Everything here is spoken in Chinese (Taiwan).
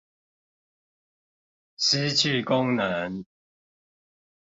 失去功能